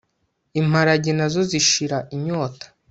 Imparage na zo zishira inyota